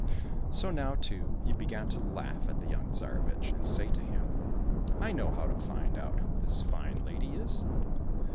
So now, too, he began to laugh at the young Tsarevich and say to him, " I know how to find out who this fine lady is."